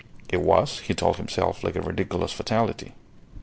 It was, he told himself, like a ridiculous fatality.